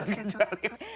bukan jual ribu